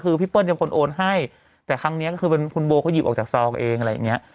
คือพี่เปิ้ลเป็นคนโอนให้แต่ครั้งนี้ก็คือเป็นคุณโบเขาหยิบออกจากซองเองอะไรอย่างเงี้ย